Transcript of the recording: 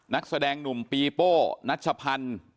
นักแสดงหนุ่มปีโป้นัชพันธ์